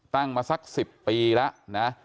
ตั้งมาสัก๑๐ปีแล้วนะ